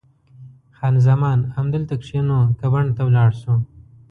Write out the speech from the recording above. خان زمان: همدلته کښېنو که بڼ ته ولاړ شو؟